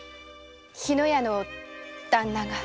日野屋の旦那が。